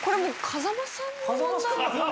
風間さん